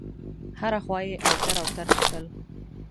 هره خوا یې اوتر اوتر کتل.